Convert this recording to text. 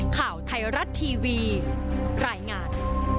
ข่าวไทยรัฐทีวีรายงาน